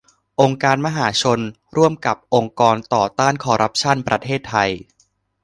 องค์การมหาชน ร่วมกับ องค์กรต่อต้านคอร์รัปชั่น ประเทศไทย